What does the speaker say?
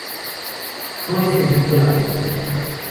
No he sentido la necesidad.